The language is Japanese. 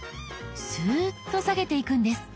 スーッと下げていくんです。